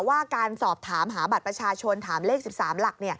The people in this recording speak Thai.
ว่าการสอบถามหาบัตรประชาชนถามเลข๑๓หลัก